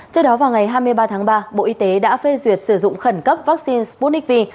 trước đó vào ngày hai mươi ba tháng ba bộ y tế đã phê duyệt sử dụng khẩn cấp vaccine sputnik v